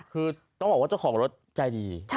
คือต้องบอกว่าเจ้าของรถใจดี